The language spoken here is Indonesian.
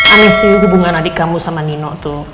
amisi hubungan adik kamu sama nino tuh